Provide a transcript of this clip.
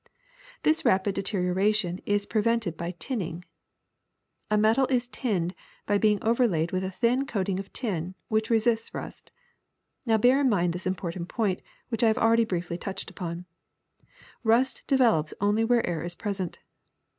This rapid de terioration is prevented by tinning. ''A metal is tinned by being overlaid with a thin coating of tin, which resists rust. Now bear in mind this important point, which I have already briefly touched upon : rust develops only where air is pres ent.